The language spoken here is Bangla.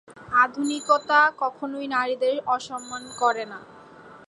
আধুনিকতা কখনই নারীদের অসম্মান করে না।